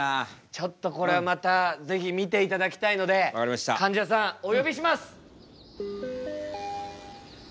ちょっとこれはまた是非見ていただきたいのでかんじゃさんお呼びします。